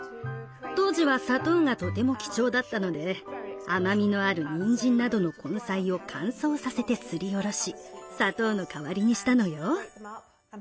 当時は砂糖がとても貴重だったので甘みのあるにんじんなどの根菜を乾燥させてすりおろし砂糖の代わりにしたのよ。